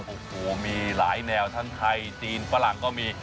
โอ้โหมีหลายแนวทั้งไทยจีนฝรั่งก็มี